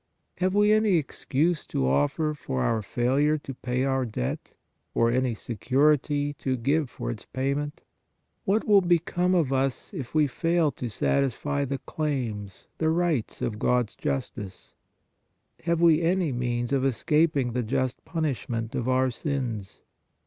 Have we any excuse to offer for our failure to pay our debt, or any security to give for its payment ? What will become of us, if we fail to satisfy the claims, the rights of God s justice? Have we any means of escaping the just punishment of our sins?